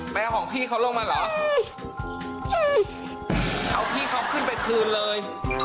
ของพี่เขาลงมาเหรอเอาพี่เขาขึ้นไปคืนเลย